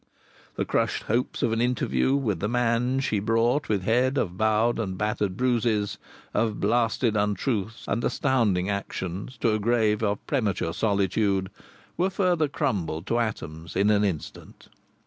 The crushed hopes of an interview with the man she brought with head of bowed and battered bruises, of blasted untruths and astounding actions, to a grave of premature solitude were further crumbled to atoms in an instant.